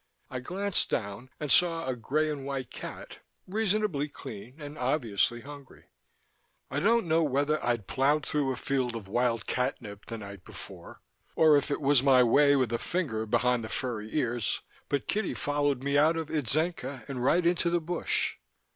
I glanced down and saw a grey and white cat, reasonably clean and obviously hungry. I don't know whether I'd ploughed through a field of wild catnip the night before or if it was my way with a finger behind the furry ears, but Kitty followed me out of Itzenca and right into the bush.